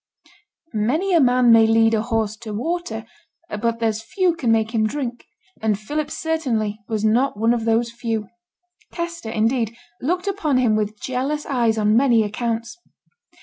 'Many a man may lead a horse to water, but there's few can make him drink,' and Philip certainly was not one of those few. Kester, indeed, looked upon him with jealous eyes on many accounts.